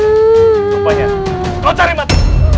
rupanya kau cari mati